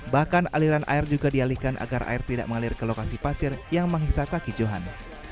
bahkan aliran air juga dialihkan agar air tidak mengalir ke lokasi pasir yang menghisap kaki johan